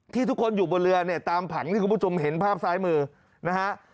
ทุกคนอยู่บนเรือเนี่ยตามผังที่คุณผู้ชมเห็นภาพซ้ายมือนะฮะ